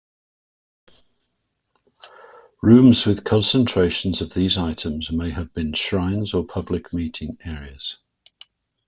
Rooms with concentrations of these items may have been shrines or public meeting areas.